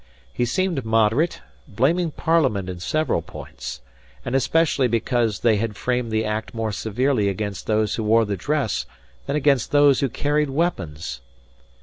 He seemed moderate; blaming Parliament in several points, and especially because they had framed the Act more severely against those who wore the dress than against those who carried weapons.